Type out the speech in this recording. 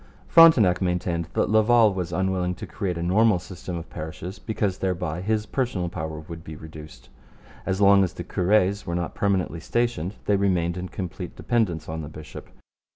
Frontenac maintained that Laval was unwilling to create a normal system of parishes because thereby his personal power would be reduced. As long as the cures were not permanently stationed they remained in complete dependence on the bishop.